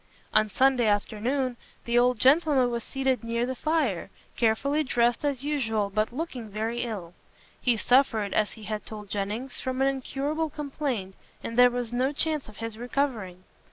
On Sunday afternoon the old gentleman was seated near the fire, carefully dressed as usual, but looking very ill. He suffered, as he had told Jennings, from an incurable complaint, and there was no chance of his recovering.